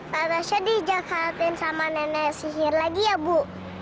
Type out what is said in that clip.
tadahnya dijagaatin sama nenek sihir lagi ya bu